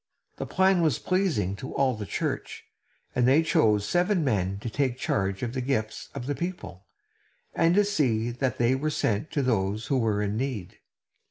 This plan was pleasing to all the church, and they chose seven men to take charge of the gifts of the people, and to see that they were sent to those who were in need.